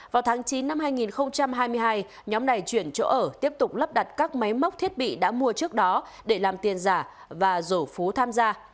vào tháng chín năm hai nghìn hai mươi hai nhóm này chuyển chỗ ở tiếp tục lắp đặt các máy móc thiết bị đã mua trước đó để làm tiền giả và rổ phú tham gia